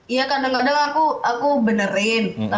iya kadang kadang aku benerin